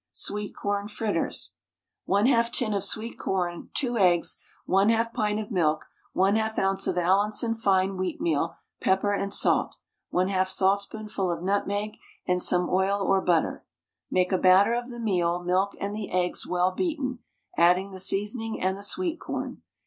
SWEET CORN FRITTERS. 1/2 tin of sweet corn, 2 eggs, 1/2 pint of milk, 1/2 oz. of Allinson fine wheatmeal, pepper, and salt, 1/2 saltspoonful of nutmeg, and some oil or butter. Make a batter of the meal, milk, and the eggs well beaten, adding the seasoning and the sweet corn.